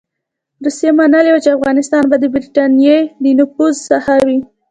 روسيې منلې وه چې افغانستان به د برټانیې د نفوذ ساحه وي.